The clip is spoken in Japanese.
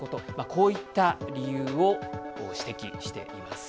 こういった理由を指摘しているんです。